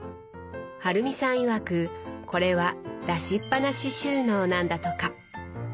春美さんいわくこれは出しっぱなし収納なんだとか。